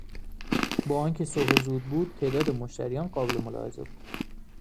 با آنکه صبح زود بود تعداد مشتریان قابل ملاحظه بود.